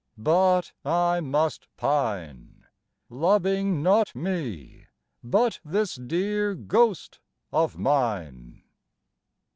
But I must pine, Loving not me but this dear ghost of mine."